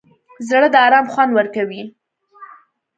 زړه د ارام خوند ورکوي.